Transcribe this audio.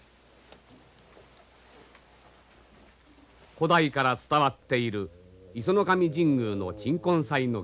古代から伝わっている石上神宮の鎮魂祭の儀式。